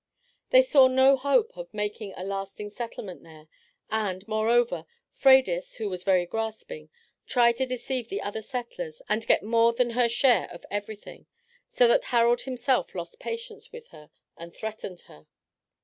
They saw no hope of making a lasting settlement there, and, moreover, Freydis who was very grasping, tried to deceive the other settlers and get more than her share of everything, so that Harald himself lost patience with her and threatened her.